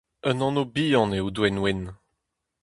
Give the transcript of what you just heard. Un anv-bihan eo Douenwenn.